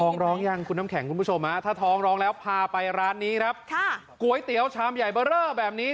ท้องร้องยังถ้าท้องร้องแล้วพาไปร้านนี้ก๋วยเตี๋ยวชามใหญ่แบบนี้